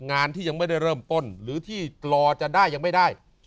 งานที่ยังไม่ได้เริ่มต้นหรือที่รอจะได้ยังไม่ได้